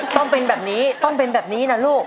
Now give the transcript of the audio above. ต้องเป็นแบบนี้ต้องเป็นแบบนี้นะลูก